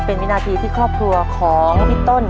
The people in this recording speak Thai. เป็นวินาทีที่ครอบครัวของพี่ต้น